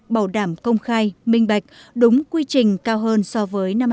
bảo đảm công khai minh bạch đúng quy trình cao hơn so với năm hai nghìn một mươi tám